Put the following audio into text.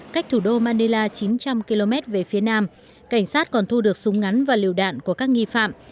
cách thủ đô mandela chín trăm linh km về phía nam cảnh sát còn thu được súng ngắn và liều đạn của các nghi phạm